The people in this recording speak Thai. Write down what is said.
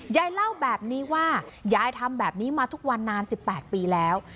ยายเล่าแบบนี้ว่ายายทำแบบนี้มาทุกวันนาน๑๘ปีแล้ว